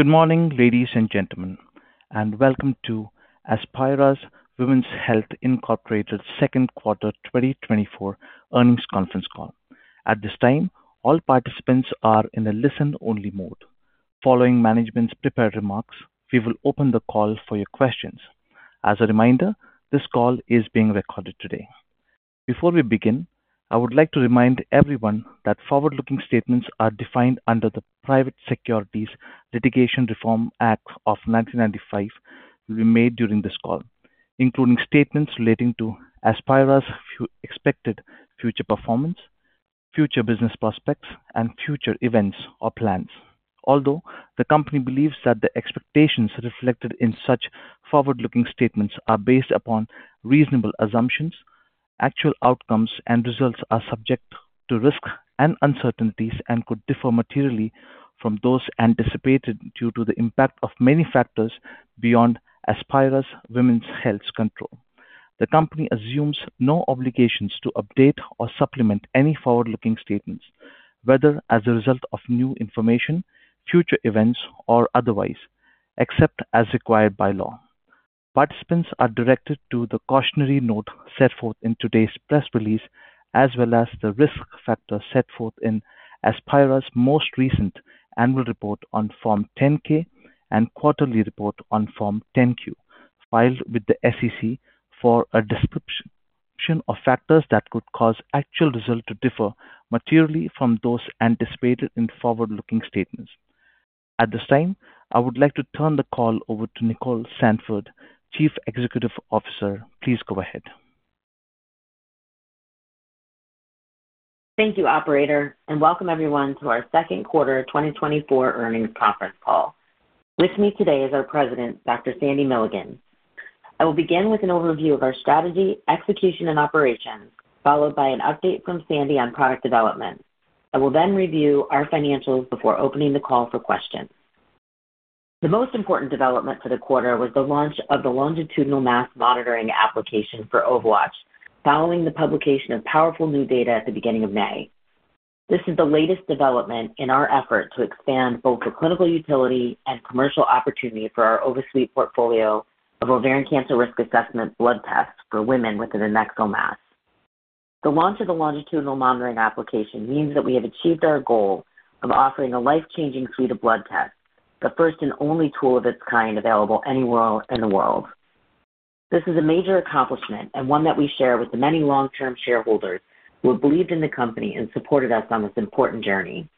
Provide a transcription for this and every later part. Good morning, ladies and gentlemen, and welcome to Aspira Women's Health Incorporated's Q2 2024 earnings conference call. At this time, all participants are in a listen-only mode. Following management's prepared remarks, we will open the call for your questions. As a reminder, this call is being recorded today. Before we begin, I would like to remind everyone that forward-looking statements are defined under the Private Securities Litigation Reform Act of 1995 will be made during this call, including statements relating to Aspira's expected future performance, future business prospects, and future events or plans. Although the company believes that the expectations reflected in such forward-looking statements are based upon reasonable assumptions, actual outcomes and results are subject to risks and uncertainties and could differ materially from those anticipated due to the impact of many factors beyond Aspira Women's Health's control. The company assumes no obligations to update or supplement any forward-looking statements, whether as a result of new information, future events, or otherwise, except as required by law. Participants are directed to the cautionary note set forth in today's press release, as well as the risk factors set forth in Aspira's most recent annual report on Form 10-K and quarterly report on Form 10-Q, filed with the SEC for a description of factors that could cause actual results to differ materially from those anticipated in forward-looking statements. At this time, I would like to turn the call over to Nicole Sandford, Chief Executive Officer. Please go ahead. Thank you, operator, and welcome everyone to our Q2 2024 earnings conference call. With me today is our President, Dr. Sandra Milligan. I will begin with an overview of our strategy, execution, and operations, followed by an update from Sandy on product development. I will then review our financials before opening the call for questions. The most important development for the quarter was the launch of the longitudinal mass monitoring application for OvaWatch, following the publication of powerful new data at the beginning of May. This is the latest development in our effort to expand both the clinical utility and commercial opportunity for our OvaSuite portfolio of ovarian cancer risk assessment blood tests for women with an adnexal mass. The launch of the longitudinal monitoring application means that we have achieved our goal of offering a life-changing suite of blood tests, the first and only tool of its kind available anywhere in the world. This is a major accomplishment and one that we share with the many long-term shareholders who have believed in the company and supported us on this important journey.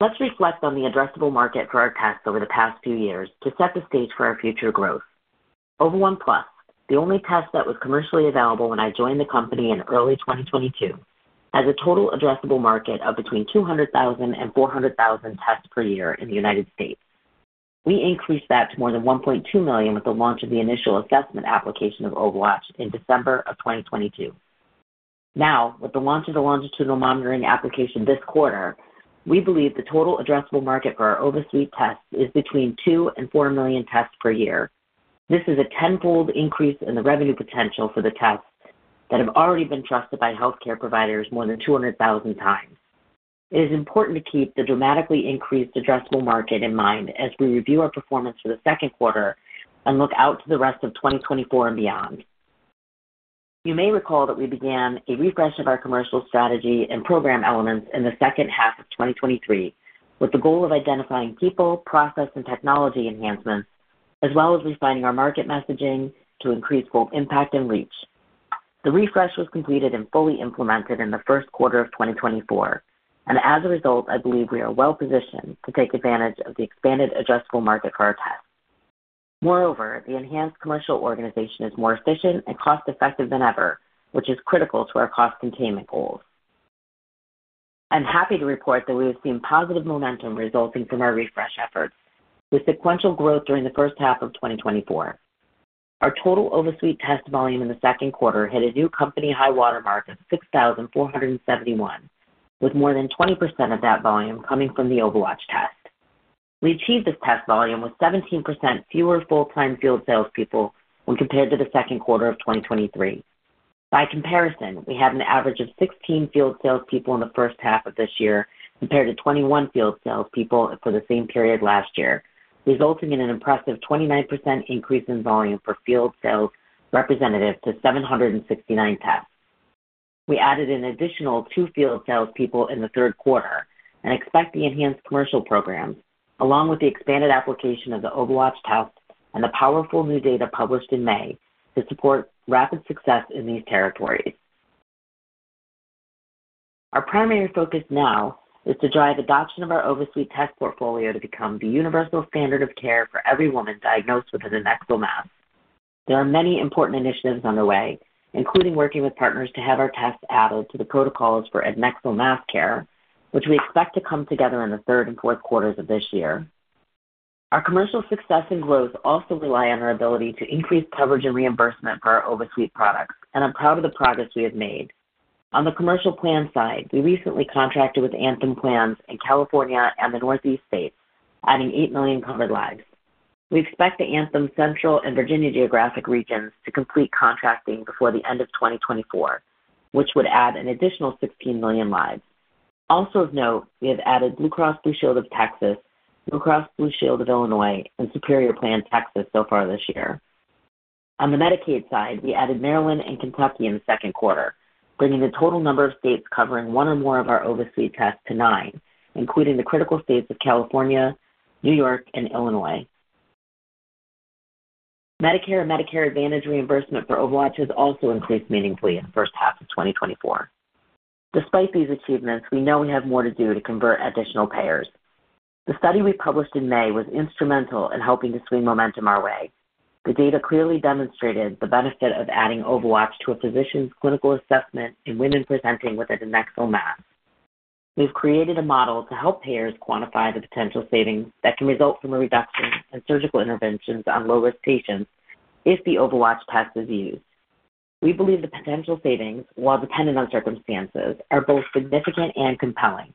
Let's reflect on the addressable market for our tests over the past few years to set the stage for our future growth. Ova1Plus, the only test that was commercially available when I joined the company in early 2022, has a total addressable market of between 200,000 and 400,000 tests per year in the United States. We increased that to more than 1.2 million with the launch of the initial assessment application of OvaWatch in December 2022. Now, with the launch of the longitudinal monitoring application this quarter, we believe the total addressable market for our OvaSuite test is between 2 and 4 million tests per year. This is a tenfold increase in the revenue potential for the tests that have already been trusted by healthcare providers more than 200,000 times. It is important to keep the dramatically increased addressable market in mind as we review our performance for the Q2 and look out to the rest of 2024 and beyond. You may recall that we began a refresh of our commercial strategy and program elements in the H2 of 2023, with the goal of identifying people, process, and technology enhancements, as well as refining our market messaging to increase both impact and reach. The refresh was completed and fully implemented in the Q1 of 2024, and as a result, I believe we are well positioned to take advantage of the expanded addressable market for our tests. Moreover, the enhanced commercial organization is more efficient and cost-effective than ever, which is critical to our cost containment goals. I'm happy to report that we have seen positive momentum resulting from our refresh efforts, with sequential growth during the H1 of 2024. Our total OvaSuite test volume in the Q2 hit a new company high water mark of 6,471, with more than 20% of that volume coming from the OvaWatch test. We achieved this test volume with 17% fewer full-time field salespeople when compared to the Q2 of 2023. By comparison, we had an average of 16 field salespeople in the H1 of this year, compared to 21 field salespeople for the same period last year, resulting in an impressive 29% increase in volume for field sales representatives to 769 tests. We added an additional 2 field salespeople in the Q4 and expect the enhanced commercial programs, along with the expanded application of the OvaWatch test and the powerful new data published in May, to support rapid success in these territories. Our primary focus now is to drive adoption of our OvaSuite test portfolio to become the universal standard of care for every woman diagnosed with an adnexal mass. There are many important initiatives underway, including working with partners to have our tests added to the protocols for adnexal mass care, which we expect to come together in the third and fourth quarters of this year. Our commercial success and growth also rely on our ability to increase coverage and reimbursement for our OvaSuite products, and I'm proud of the progress we have made. On the commercial plan side, we recently contracted with Anthem Plans in California and the Northeast states, adding 8 million covered lives... We expect the Anthem Central and Virginia geographic regions to complete contracting before the end of 2024, which would add an additional 16 million lives. Also of note, we have added Blue Cross Blue Shield of Texas, Blue Cross Blue Shield of Illinois, and Superior HealthPlan so far this year. On the Medicaid side, we added Maryland and Kentucky in the Q2, bringing the total number of states covering one or more of our OvaSuite tests to nine, including the critical states of California, New York, and Illinois. Medicare and Medicare Advantage reimbursement for OvaWatch has also increased meaningfully in the H1 of 2024. Despite these achievements, we know we have more to do to convert additional payers. The study we published in May was instrumental in helping to swing momentum our way. The data clearly demonstrated the benefit of adding OvaWatch to a physician's clinical assessment in women presenting with an adnexal mass. We've created a model to help payers quantify the potential savings that can result from a reduction in surgical interventions on low-risk patients if the OvaWatch path is used. We believe the potential savings, while dependent on circumstances, are both significant and compelling.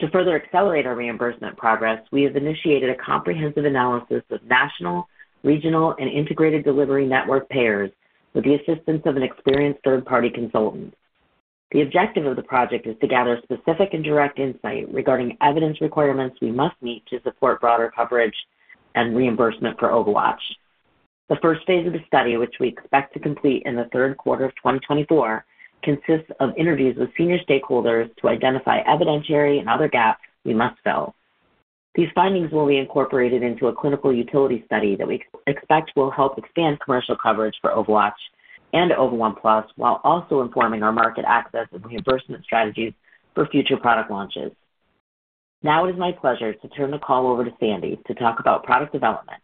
To further accelerate our reimbursement progress, we have initiated a comprehensive analysis of national, regional, and integrated delivery network payers with the assistance of an experienced third-party consultant. The objective of the project is to gather specific and direct insight regarding evidence requirements we must meet to support broader coverage and reimbursement for OvaWatch. The first phase of the study, which we expect to complete in the Q4 of 2024, consists of interviews with senior stakeholders to identify evidentiary and other gaps we must fill. These findings will be incorporated into a clinical utility study that we expect will help expand commercial coverage for OvaWatch and Ova1Plus while also informing our market access and reimbursement strategies for future product launches. Now it is my pleasure to turn the call over to Sandy to talk about product development.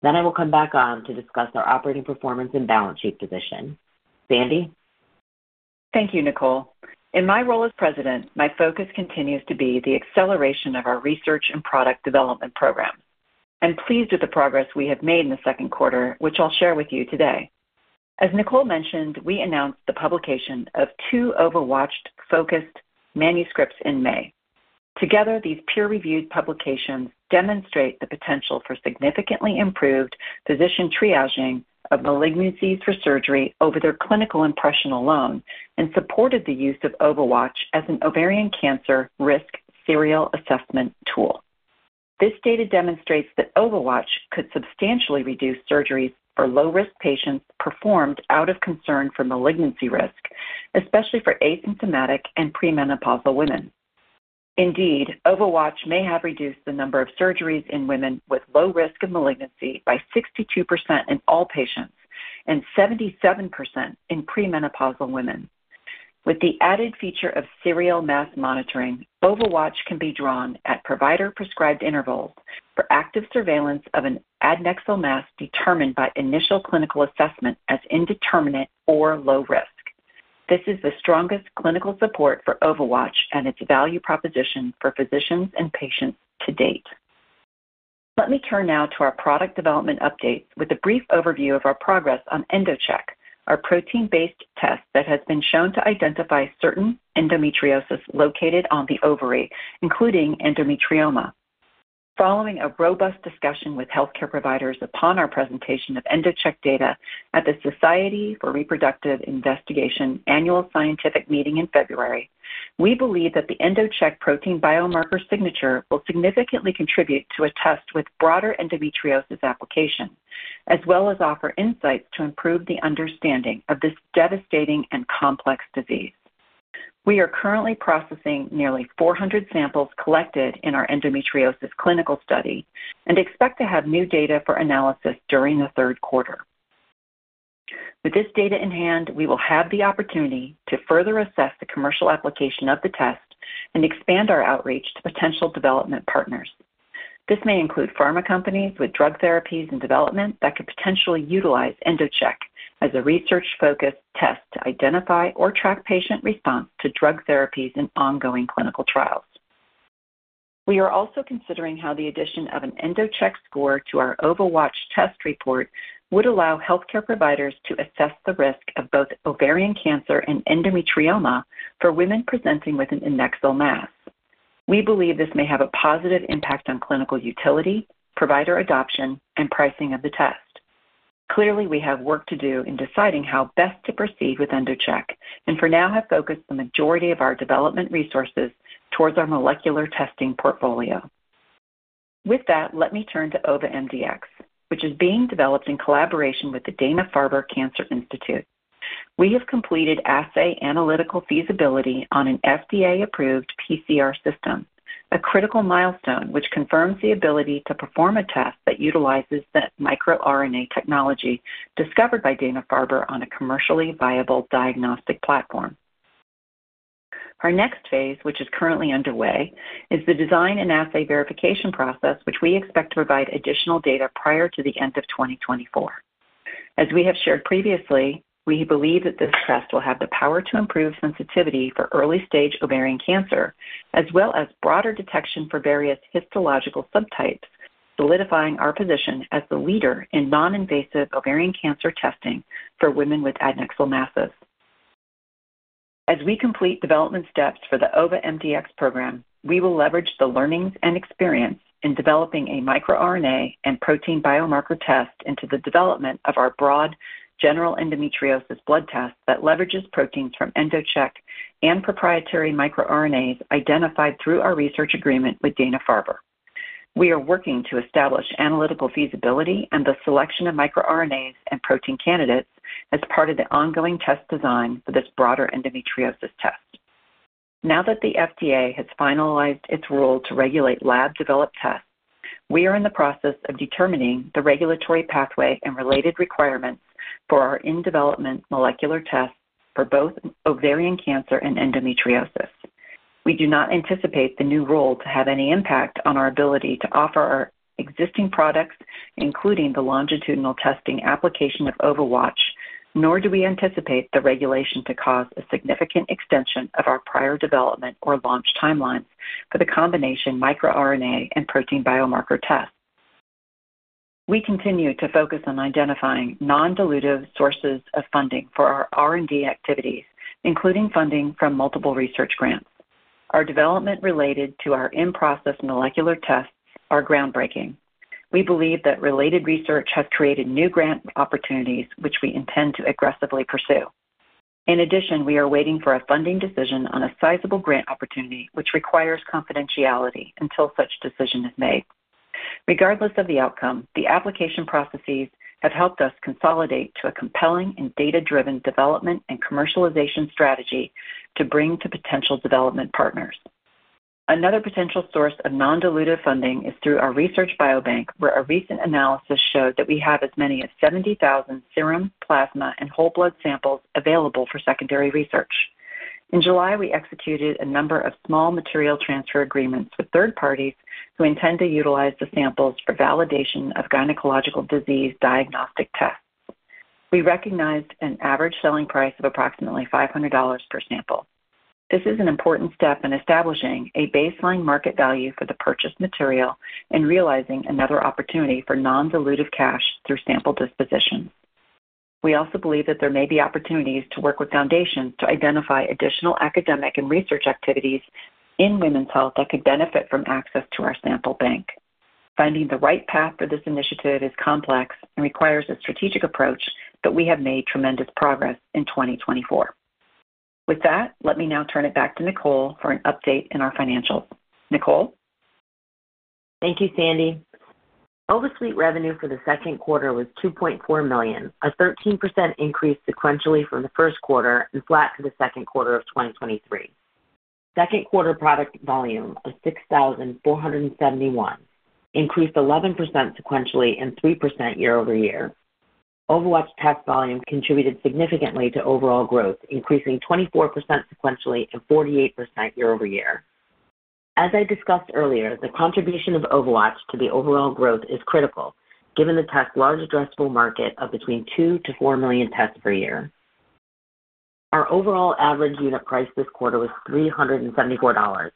Then I will come back on to discuss our operating performance and balance sheet position. Sandy? Thank you, Nicole. In my role as president, my focus continues to be the acceleration of our research and product development programs. I'm pleased with the progress we have made in the Q2, which I'll share with you today. As Nicole mentioned, we announced the publication of two OvaWatch-focused manuscripts in May. Together, these peer-reviewed publications demonstrate the potential for significantly improved physician triaging of malignancies for surgery over their clinical impression alone and supported the use of OvaWatch as an ovarian cancer risk serial assessment tool. This data demonstrates that OvaWatch could substantially reduce surgeries for low-risk patients performed out of concern for malignancy risk, especially for asymptomatic and premenopausal women. Indeed, OvaWatch may have reduced the number of surgeries in women with low risk of malignancy by 62% in all patients and 77% in premenopausal women. With the added feature of serial mass monitoring, OvaWatch can be drawn at provider-prescribed intervals for active surveillance of an adnexal mass determined by initial clinical assessment as indeterminate or low risk. This is the strongest clinical support for OvaWatch and its value proposition for physicians and patients to date. Let me turn now to our product development updates with a brief overview of our progress on EndoCheck, our protein-based test that has been shown to identify certain endometriosis located on the ovary, including endometrioma. Following a robust discussion with healthcare providers upon our presentation of EndoCheck data at the Society for Reproductive Investigation annual scientific meeting in February, we believe that the EndoCheck protein biomarker signature will significantly contribute to a test with broader endometriosis application, as well as offer insights to improve the understanding of this devastating and complex disease. We are currently processing nearly 400 samples collected in our endometriosis clinical study and expect to have new data for analysis during the Q4. With this data in hand, we will have the opportunity to further assess the commercial application of the test and expand our outreach to potential development partners. This may include pharma companies with drug therapies in development that could potentially utilize EndoCheck as a research-focused test to identify or track patient response to drug therapies in ongoing clinical trials. We are also considering how the addition of an EndoCheck score to our OvaWatch test report would allow healthcare providers to assess the risk of both ovarian cancer and endometrioma for women presenting with an adnexal mass. We believe this may have a positive impact on clinical utility, provider adoption, and pricing of the test. Clearly, we have work to do in deciding how best to proceed with EndoCheck, and for now have focused the majority of our development resources towards our molecular testing portfolio. With that, let me turn to OvaMDx, which is being developed in collaboration with the Dana-Farber Cancer Institute. We have completed assay analytical feasibility on an FDA-approved PCR system, a critical milestone which confirms the ability to perform a test that utilizes the microRNA technology discovered by Dana-Farber on a commercially viable diagnostic platform. Our next phase, which is currently underway, is the design and assay verification process, which we expect to provide additional data prior to the end of 2024. As we have shared previously, we believe that this test will have the power to improve sensitivity for early-stage ovarian cancer, as well as broader detection for various histological subtypes, solidifying our position as the leader in non-invasive ovarian cancer testing for women with adnexal masses... As we complete development steps for the OvaMDx program, we will leverage the learnings and experience in developing a microRNA and protein biomarker test into the development of our broad general endometriosis blood test that leverages proteins from EndoCheck and proprietary microRNAs identified through our research agreement with Dana-Farber. We are working to establish analytical feasibility and the selection of microRNAs and protein candidates as part of the ongoing test design for this broader endometriosis test. Now that the FDA has finalized its rule to regulate lab-developed tests, we are in the process of determining the regulatory pathway and related requirements for our in-development molecular tests for both ovarian cancer and endometriosis. We do not anticipate the new rule to have any impact on our ability to offer our existing products, including the longitudinal testing application of OvaWatch, nor do we anticipate the regulation to cause a significant extension of our prior development or launch timelines for the combination microRNA and protein biomarker test. We continue to focus on identifying non-dilutive sources of funding for our R&D activities, including funding from multiple research grants. Our development related to our in-process molecular tests are groundbreaking. We believe that related research has created new grant opportunities, which we intend to aggressively pursue. In addition, we are waiting for a funding decision on a sizable grant opportunity, which requires confidentiality until such decision is made. Regardless of the outcome, the application processes have helped us consolidate to a compelling and data-driven development and commercialization strategy to bring to potential development partners. Another potential source of non-dilutive funding is through our research biobank, where a recent analysis showed that we have as many as 70,000 serum, plasma, and whole blood samples available for secondary research. In July, we executed a number of small material transfer agreements with third parties who intend to utilize the samples for validation of gynecological disease diagnostic tests. We recognized an average selling price of approximately $500 per sample. This is an important step in establishing a baseline market value for the purchased material and realizing another opportunity for non-dilutive cash through sample disposition. We also believe that there may be opportunities to work with foundations to identify additional academic and research activities in women's health that could benefit from access to our sample bank. Finding the right path for this initiative is complex and requires a strategic approach, but we have made tremendous progress in 2024. With that, let me now turn it back to Nicole for an update in our financials. Nicole? Thank you, Sandy. OvaSuite revenue for the Q2 was $2.4 million, a 13% increase sequentially from the Q1 and flat to the Q2 of 2023. Second quarter product volume of 6,471 increased 11% sequentially and 3% year-over-year. OvaWatch test volume contributed significantly to overall growth, increasing 24% sequentially and 48% year-over-year. As I discussed earlier, the contribution of OvaWatch to the overall growth is critical, given the test's large addressable market of between 2-4 million tests per year. Our overall average unit price this quarter was $374,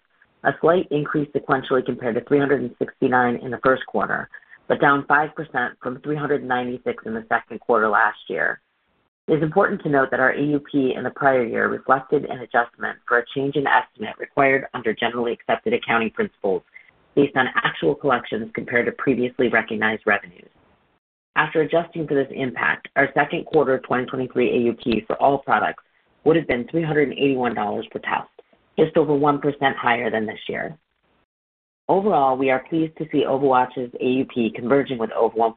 a slight increase sequentially compared to $369 in the Q1, but down 5% from $396 in the Q2 last year. It's important to note that our AUP in the prior year reflected an adjustment for a change in estimate required under generally accepted accounting principles based on actual collections compared to previously recognized revenues. After adjusting for this impact, our Q2 2023 AUP for all products would have been $381 per test, just over 1% higher than this year. Overall, we are pleased to see OvaWatch's AUP converging with Ova1.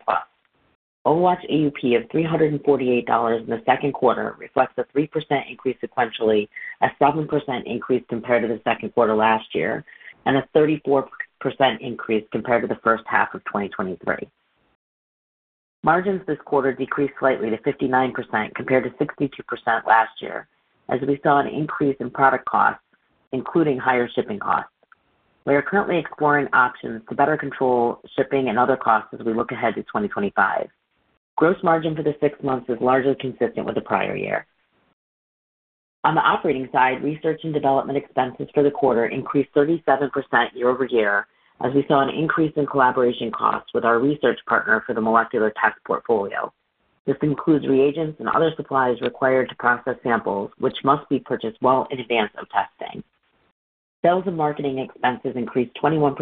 OvaWatch AUP of $348 in the Q2 reflects a 3% increase sequentially, a 7% increase compared to the Q2 last year, and a 34% increase compared to the H1 of 2023. Margins this quarter decreased slightly to 59%, compared to 62% last year, as we saw an increase in product costs, including higher shipping costs. We are currently exploring options to better control shipping and other costs as we look ahead to 2025. Gross margin for the six months is largely consistent with the prior year. On the operating side, research and development expenses for the quarter increased 37% year-over-year, as we saw an increase in collaboration costs with our research partner for the molecular test portfolio. This includes reagents and other supplies required to process samples, which must be purchased well in advance of testing. Sales and marketing expenses increased 21%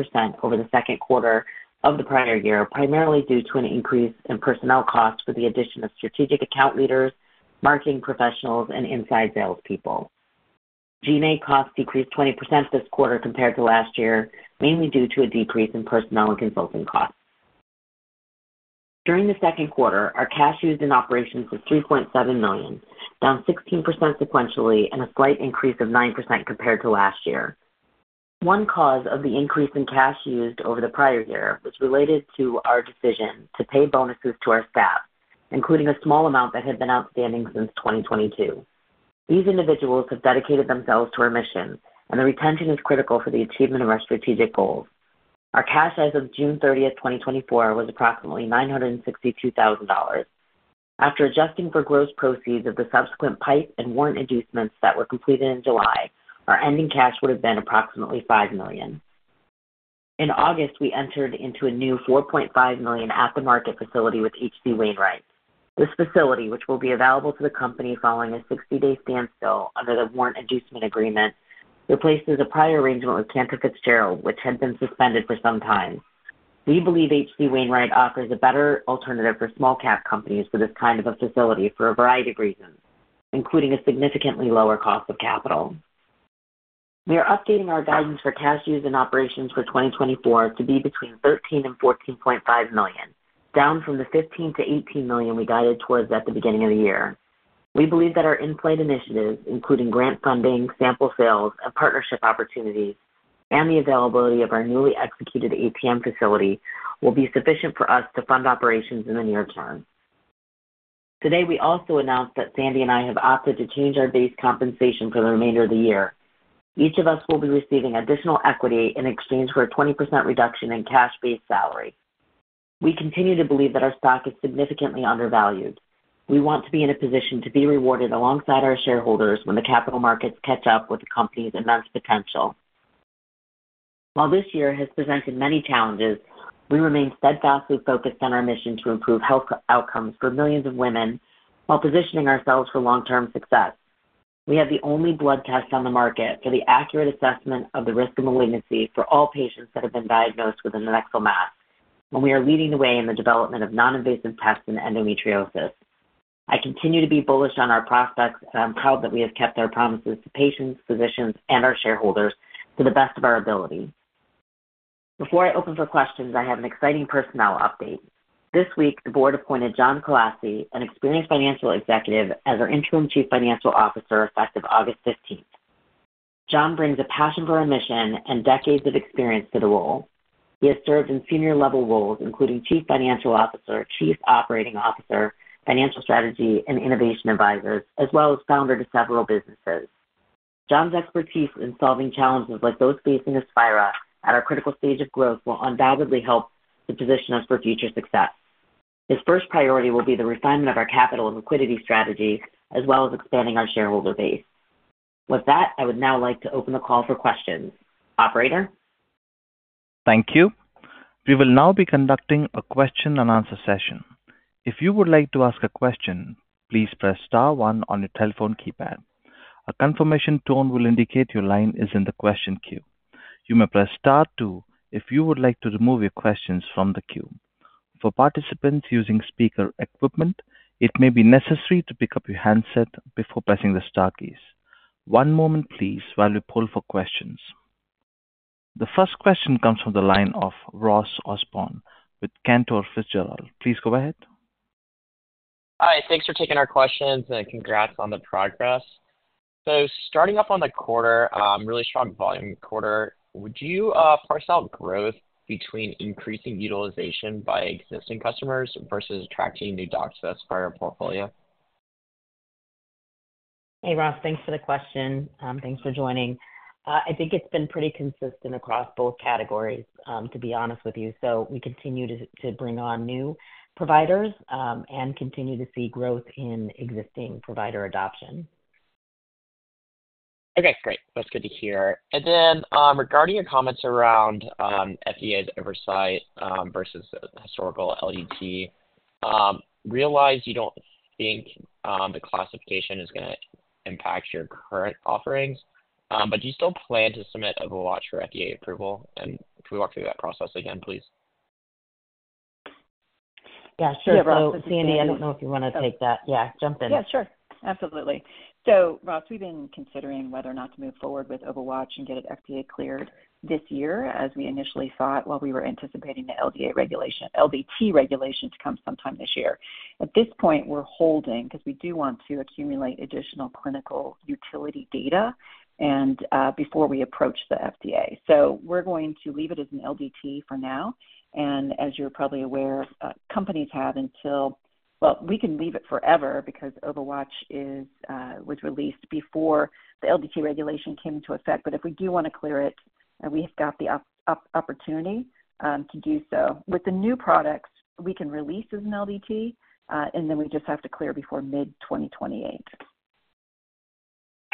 over the Q2 of the prior year, primarily due to an increase in personnel costs for the addition of strategic account leaders, marketing professionals, and inside salespeople. G&A costs decreased 20% this quarter compared to last year, mainly due to a decrease in personnel and consulting costs. During the Q2, our cash used in operations was $3.7 million, down 16% sequentially and a slight increase of 9% compared to last year. One cause of the increase in cash used over the prior year was related to our decision to pay bonuses to our staff, including a small amount that had been outstanding since 2022. These individuals have dedicated themselves to our mission, and the retention is critical for the achievement of our strategic goals. Our cash as of June 30, 2024, was approximately $962,000. After adjusting for gross proceeds of the subsequent PIPE and warrant inducements that were completed in July, our ending cash would have been approximately $5 million.... In August, we entered into a new $4.5 million at-the-market facility with H.C. Wainwright. This facility, which will be available to the company following a 60-day standstill under the warrant inducement agreement, replaces a prior arrangement with Cantor Fitzgerald, which had been suspended for some time. We believe H.C. Wainwright offers a better alternative for small-cap companies for this kind of a facility for a variety of reasons, including a significantly lower cost of capital. We are updating our guidance for cash use and operations for 2024 to be between $13 million-$14.5 million, down from the $15 million-$18 million we guided towards at the beginning of the year. We believe that our in-play initiatives, including grant funding, sample sales, and partnership opportunities, and the availability of our newly executed ATM facility, will be sufficient for us to fund operations in the near term. Today, we also announced that Sandy and I have opted to change our base compensation for the remainder of the year. Each of us will be receiving additional equity in exchange for a 20% reduction in cash-based salary. We continue to believe that our stock is significantly undervalued. We want to be in a position to be rewarded alongside our shareholders when the capital markets catch up with the company's immense potential. While this year has presented many challenges, we remain steadfastly focused on our mission to improve health outcomes for millions of women while positioning ourselves for long-term success. We have the only blood test on the market for the accurate assessment of the risk of malignancy for all patients that have been diagnosed with adnexal mass, and we are leading the way in the development of non-invasive tests in endometriosis. I continue to be bullish on our prospects, and I'm proud that we have kept our promises to patients, physicians, and our shareholders to the best of our ability. Before I open for questions, I have an exciting personnel update. This week, the board appointed John Kallassy, an experienced financial executive, as our Interim Chief Financial Officer, effective August fifteenth. John brings a passion for our mission and decades of experience to the role. He has served in senior level roles, including chief financial officer, chief operating officer, financial strategy, and innovation advisors, as well as founder to several businesses. John's expertise in solving challenges like those facing Aspira at our critical stage of growth, will undoubtedly help to position us for future success. His first priority will be the refinement of our capital and liquidity strategy, as well as expanding our shareholder base. With that, I would now like to open the call for questions. Operator? Thank you. We will now be conducting a question-and-answer session. If you would like to ask a question, please press star one on your telephone keypad. A confirmation tone will indicate your line is in the question queue. You may press star two if you would like to remove your questions from the queue. For participants using speaker equipment, it may be necessary to pick up your handset before pressing the star keys. One moment please while we poll for questions. The first question comes from the line of Ross Osborn with Cantor Fitzgerald. Please go ahead. Hi, thanks for taking our questions, and congrats on the progress. So starting off on the quarter, really strong volume quarter, would you parse out growth between increasing utilization by existing customers versus attracting new docs to Aspira portfolio? Hey, Ross, thanks for the question. Thanks for joining. I think it's been pretty consistent across both categories, to be honest with you. So we continue to bring on new providers, and continue to see growth in existing provider adoption. Okay, great. That's good to hear. And then, regarding your comments around, FDA's oversight, versus historical LDT, realize you don't think, the classification is gonna impact your current offerings, but do you still plan to submit an OvaWatch for FDA approval? And can we walk through that process again, please? Yeah, sure. Sandy, I don't know if you want to take that. Yeah, jump in. Yeah, sure. Absolutely. So Ross, we've been considering whether or not to move forward with OvaWatch and get it FDA cleared this year, as we initially thought, while we were anticipating the LDT regulation to come sometime this year. At this point, we're holding because we do want to accumulate additional clinical utility data and before we approach the FDA. So we're going to leave it as an LDT for now, and as you're probably aware, companies have until... Well, we can leave it forever because OvaWatch was released before the LDT regulation came into effect. But if we do want to clear it, we have got the opportunity to do so. With the new products, we can release as an LDT and then we just have to clear before mid-2028.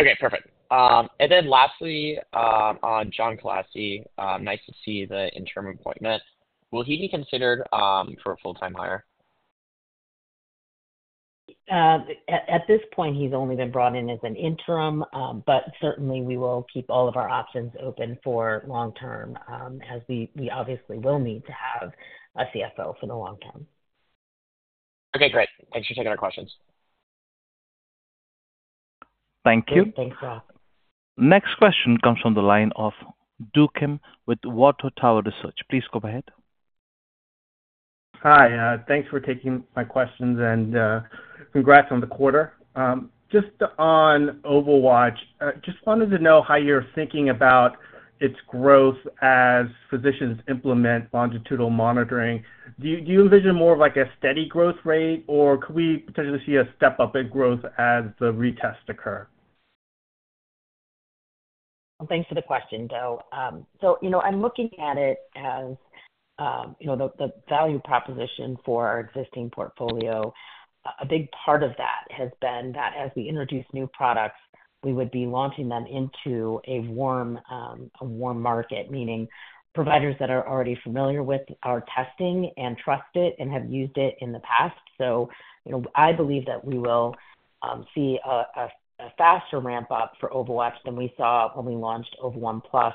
Okay, perfect. And then lastly, on John Kallassy, nice to see the interim appointment. Will he be considered for a full-time hire? At this point, he's only been brought in as an interim, but certainly we will keep all of our options open for long term, as we obviously will need to have a CFO for the long term. Okay, great. Thanks for taking our questions. Thank you. Thanks, Ross. Next question comes from the line of Do Kim with Water Tower Research. Please go ahead. Hi, thanks for taking my questions, and, congrats on the quarter. Just on OvaWatch, just wanted to know how you're thinking about its growth as physicians implement longitudinal monitoring. Do you envision more of, like, a steady growth rate, or could we potentially see a step-up in growth as the retests occur? Thanks for the question, Do. So you know, I'm looking at it as, you know, the value proposition for our existing portfolio. A big part of that has been that as we introduce new products, we would be launching them into a warm, a warm market, meaning providers that are already familiar with our testing and trust it and have used it in the past. So, you know, I believe that we will see a faster ramp-up for OvaWatch than we saw when we launched Ova1Plus.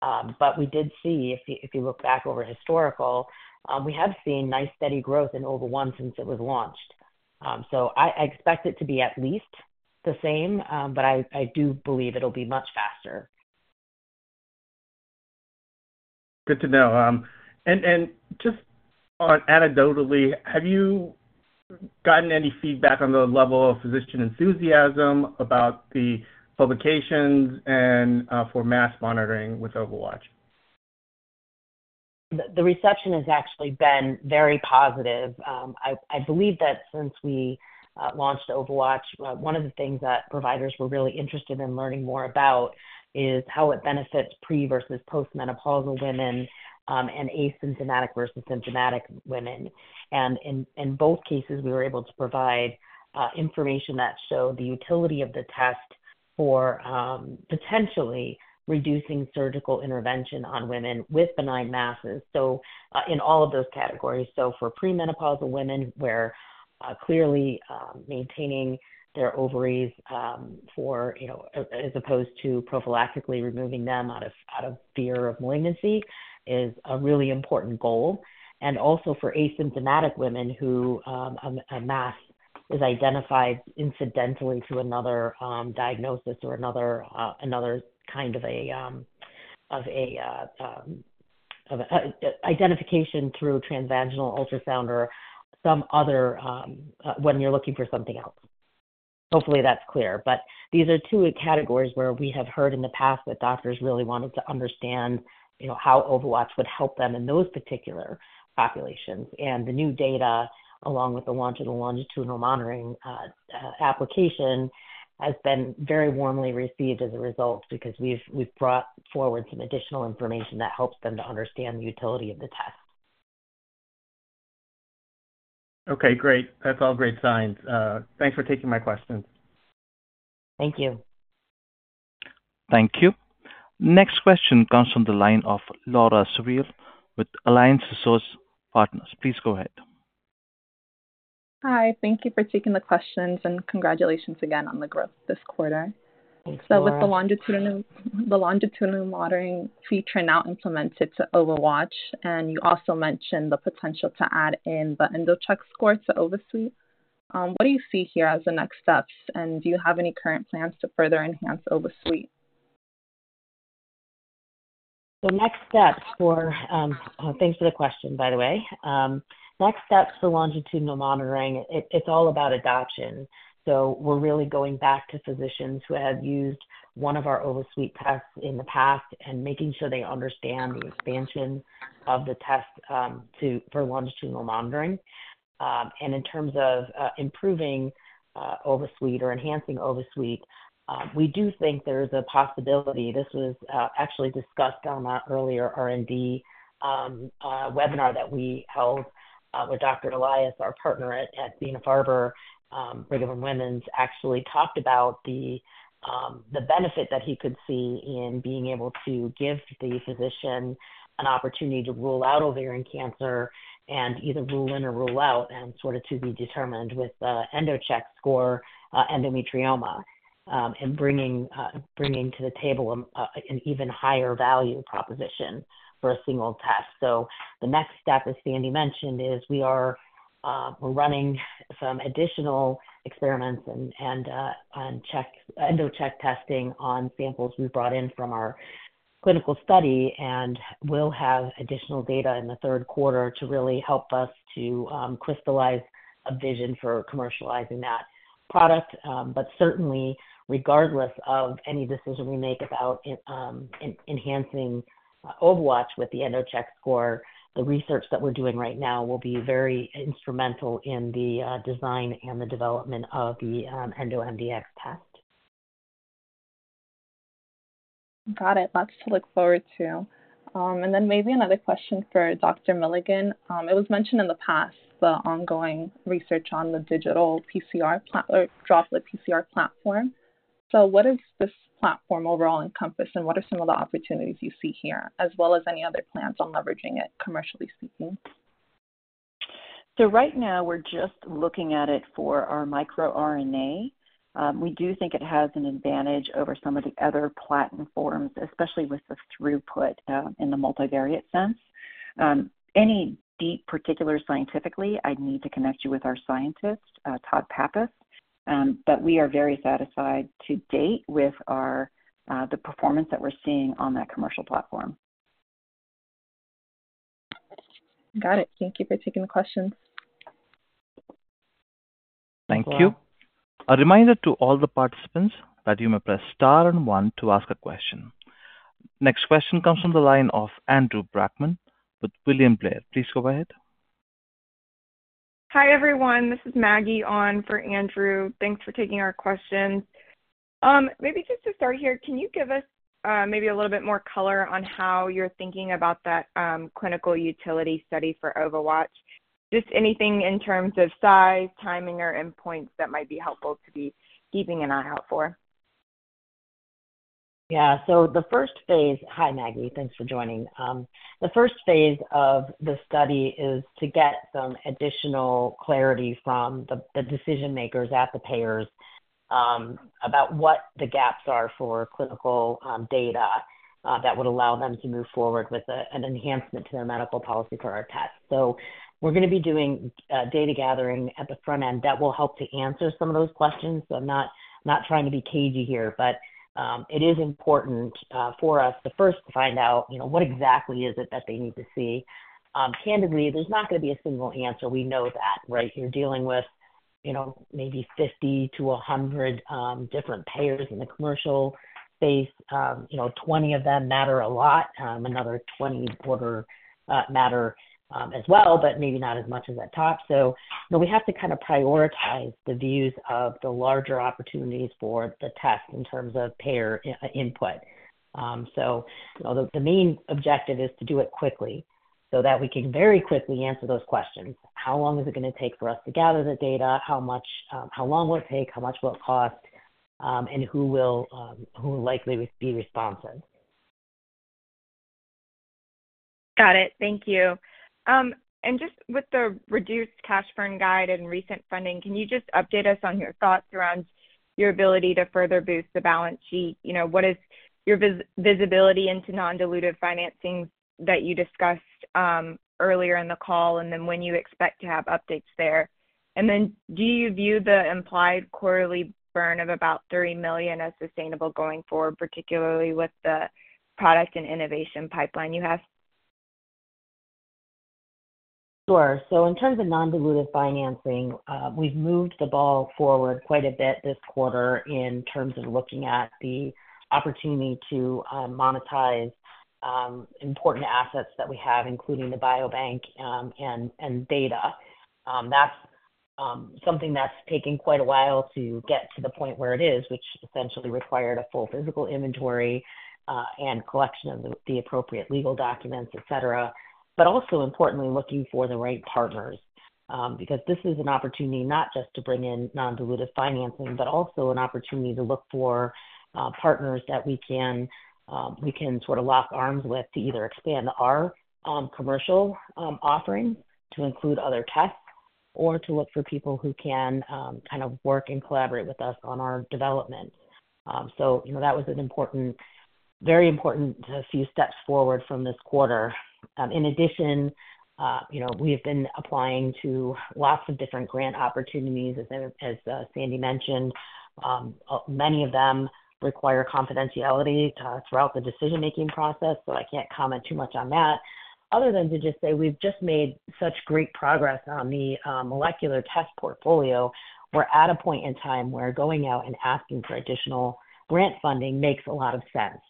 But we did see, if you look back over historical, we have seen nice steady growth in Ova1 since it was launched. So I expect it to be at least the same, but I do believe it'll be much faster. Good to know. And just on anecdotally, have you gotten any feedback on the level of physician enthusiasm about the publications and for mass monitoring with OvaWatch? The reception has actually been very positive. I believe that since we launched OvaWatch, one of the things that providers were really interested in learning more about is how it benefits pre- versus post-menopausal women, and asymptomatic versus symptomatic women. And in both cases, we were able to provide information that showed the utility of the test for potentially reducing surgical intervention on women with benign masses, so in all of those categories. So for pre-menopausal women, where clearly maintaining their ovaries for you know as opposed to prophylactically removing them out of fear of malignancy is a really important goal. And also for asymptomatic women who a mass is identified incidentally through another diagnosis or another kind of identification through transvaginal ultrasound or some other when you're looking for something else. Hopefully, that's clear. But these are two categories where we have heard in the past that doctors really wanted to understand, you know, how OvaWatch would help them in those particular populations. And the new data, along with the launch of the longitudinal monitoring application, has been very warmly received as a result because we've brought forward some additional information that helps them to understand the utility of the test. Okay, great. That's all great signs. Thanks for taking my questions. Thank you. Thank you. Next question comes from the line of Laura Suriel with Alliance Global Partners. Please go ahead. Hi, thank you for taking the questions, and congratulations again on the growth this quarter. Thanks, Laura. So with the longitudinal monitoring feature now implemented to OvaWatch, and you also mentioned the potential to add in the EndoCheck score to OvaSuite, what do you see here as the next steps? And do you have any current plans to further enhance OvaSuite? The next steps for... Thanks for the question, by the way. Next steps for longitudinal monitoring, it's all about adoption. So we're really going back to physicians who have used one of our OvaSuite tests in the past and making sure they understand the expansion of the test to for longitudinal monitoring. And in terms of improving OvaSuite or enhancing OvaSuite, we do think there is a possibility. This was actually discussed on our earlier R&D webinar that we held with Dr. Elias, our partner at Dana-Farber, Brigham and Women's. Actually talked about the, the benefit that he could see in being able to give the physician an opportunity to rule out ovarian cancer and either rule in or rule out, and sort of to be determined with the EndoCheck score, endometrioma, and bringing to the table a, an even higher value proposition for a single test. So the next step, as Sandy mentioned, is we are, we're running some additional experiments and, EndoCheck testing on samples we brought in from our clinical study. And we'll have additional data in the Q4 to really help us to, crystallize a vision for commercializing that product. But certainly, regardless of any decision we make about enhancing OvaWatch with the EndoCheck score, the research that we're doing right now will be very instrumental in the design and the development of the EndoMDx test. Got it. Lots to look forward to. And then maybe another question for Dr. Milligan. It was mentioned in the past, the ongoing research on the digital PCR or droplet PCR platform. So what does this platform overall encompass, and what are some of the opportunities you see here, as well as any other plans on leveraging it, commercially speaking? So right now, we're just looking at it for our microRNA. We do think it has an advantage over some of the other platform forms, especially with the throughput, in the multivariate sense. Any deep particular scientifically, I'd need to connect you with our scientist, Todd Pappas. But we are very satisfied to date with our, the performance that we're seeing on that commercial platform. Got it. Thank you for taking the questions. Thank you. A reminder to all the participants that you may press star and one to ask a question. Next question comes from the line of Andrew Brackmann with William Blair. Please go ahead. Hi, everyone. This is Maggie on for Andrew. Thanks for taking our questions. Maybe to start here, can you give us maybe a little bit more color on how you're thinking about that clinical utility study for OvaWatch? Just anything in terms of size, timing, or endpoints that might be helpful to be keeping an eye out for. Yeah. So the first phase... Hi, Maggie. Thanks for joining. The first phase of the study is to get some additional clarity from the decision-makers at the payers about what the gaps are for clinical data that would allow them to move forward with an enhancement to their medical policy for our test. So we're gonna be doing data gathering at the front end that will help to answer some of those questions. So I'm not trying to be cagey here, but it is important for us to first find out, you know, what exactly is it that they need to see. Candidly, there's not gonna be a single answer. We know that, right? You're dealing with, you know, maybe 50-100 different payers in the commercial space. You know, 20 of them matter a lot, another 20 quarter, matter, as well, but maybe not as much as the top. So, but we have to kind of prioritize the views of the larger opportunities for the test in terms of payer input. So although the main objective is to do it quickly so that we can very quickly answer those questions: How long is it gonna take for us to gather the data? How much, how long will it take? How much will it cost? And who will, who will likely be responsive? Got it. Thank you. And just with the reduced cash burn guide and recent funding, can you just update us on your thoughts around your ability to further boost the balance sheet? You know, what is your visibility into non-dilutive financing that you discussed earlier in the call, and then when you expect to have updates there? And then, do you view the implied quarterly burn of about $30 million as sustainable going forward, particularly with the product and innovation pipeline you have? Sure. So in terms of non-dilutive financing, we've moved the ball forward quite a bit this quarter in terms of looking at the opportunity to monetize important assets that we have, including the biobank, and data. That's something that's taken quite a while to get to the point where it is, which essentially required a full physical inventory and collection of the appropriate legal documents, et cetera. But also importantly, looking for the right partners because this is an opportunity not just to bring in non-dilutive financing, but also an opportunity to look for partners that we can sort of lock arms with to either expand our commercial offering to include other tests or to look for people who can kind of work and collaborate with us on our development. So, you know, that was an important - very important few steps forward from this quarter. In addition, you know, we've been applying to lots of different grant opportunities, as Sandy mentioned. Many of them require confidentiality throughout the decision-making process, so I can't comment too much on that, other than to just say we've just made such great progress on the molecular test portfolio. We're at a point in time where going out and asking for additional grant funding makes a lot of sense.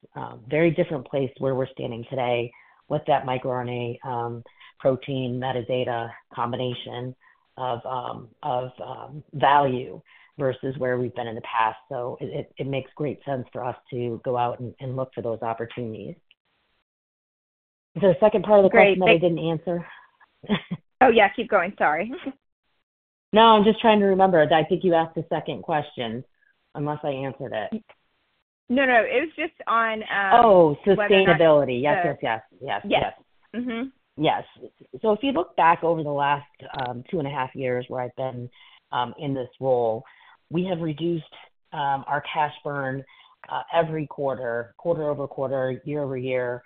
Very different place where we're standing today with that microRNA protein metadata combination of value versus where we've been in the past. So it makes great sense for us to go out and look for those opportunities. Is there a second part of the question- Great. I didn't answer? Oh, yeah, keep going. Sorry. No, I'm just trying to remember. I think you asked a second question, unless I answered it. No, no, it was just on. Oh, sustainability. Yes. Yes, yes, yes. Mm-hmm. Yes. So if you look back over the last two and a half years where I've been in this role, we have reduced our cash burn every quarter, quarter over quarter, year over year.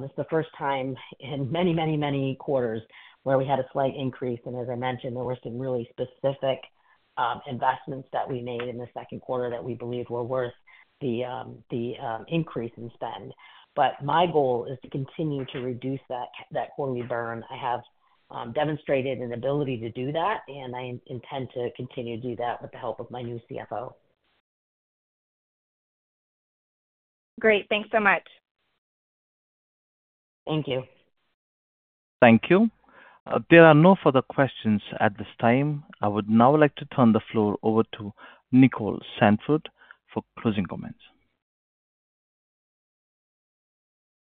This is the first time in many, many, many quarters where we had a slight increase, and as I mentioned, there were some really specific investments that we made in the Q2 that we believe were worth the increase in spend. But my goal is to continue to reduce that quarterly burn. I have demonstrated an ability to do that, and I intend to continue to do that with the help of my new CFO. Great. Thanks so much. Thank you. Thank you. There are no further questions at this time. I would now like to turn the floor over to Nicole Sandford for closing comments.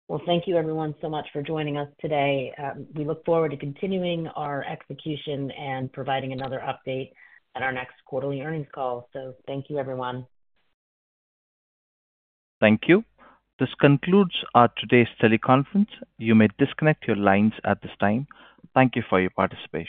Well, thank you everyone so much for joining us today. We look forward to continuing our execution and providing another update at our next quarterly earnings call. Thank you, everyone. Thank you. This concludes today's teleconference. You may disconnect your lines at this time. Thank you for your participation.